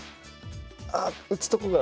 あっ打つとこが。